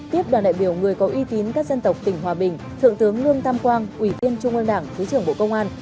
tiếp đoàn đại biểu người có uy tín các dân tộc tỉnh hòa bình thượng tướng lương tam quang ủy viên trung ương đảng thứ trưởng bộ công an